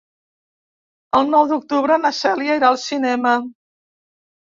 El nou d'octubre na Cèlia irà al cinema.